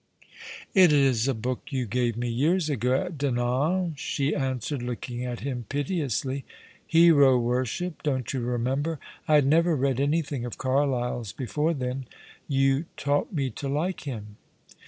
"It is a book you gave me years ago at Dinan," she answered, looking at him piteously. *'' Hero Worship.* Don't you remember ? I had never read anything of Carlyle's before then. You taught me to like him."